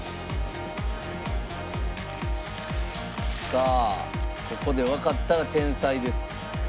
さあここでわかったら天才です。